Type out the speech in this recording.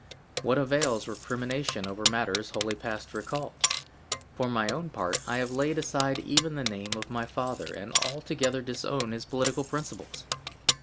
What avails recrimination over matters wholly past recall? For my own part, I have laid aside even the name of my father, and altogether disown his political principles.